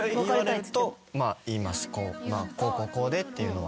こうこうこうでっていうのは。